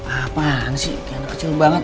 apaan sih kaya anak kecil banget